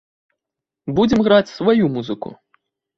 Будзем граць сваю музыку.